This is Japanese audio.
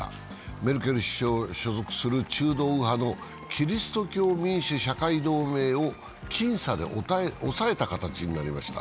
メルケル首相が所属する中道右派のキリスト教民主・社会同盟を僅差で抑えた形になりました。